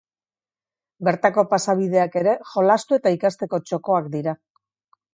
Bertako pasabideak ere jolastu eta ikasteko txokoak dira.